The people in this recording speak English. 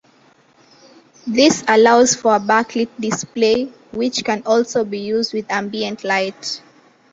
This allows for a backlit display which can also be used with ambient light.